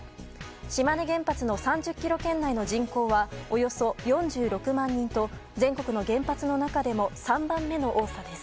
島根原発の３０ｋｍ圏内の人口はおよそ４６万人と全国の原発の中でも３番目の多さです。